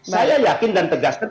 saya yakin dan tegaskan